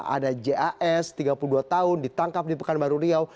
ada jas tiga puluh dua tahun ditangkap di pekanbaru riau